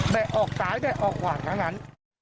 ออกซ้ายแบะออกขวาทั้งนั้น